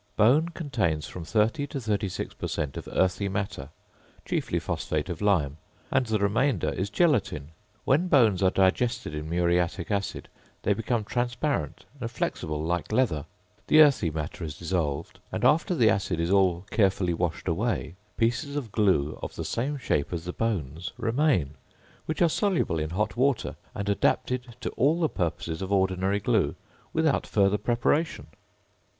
Bone contains from 30 to 36 per cent. of earthy matter chiefly phosphate of lime, and the remainder is gelatine. When bones are digested in muriatic acid they become transparent and flexible like leather, the earthy matter is dissolved, and after the acid is all carefully washed away, pieces of glue of the same shape as the bones remain, which are soluble in hot water and adapted to all the purposes of ordinary glue, without further preparation.